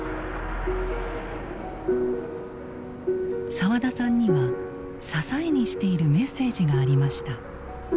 澤田さんには支えにしているメッセージがありました。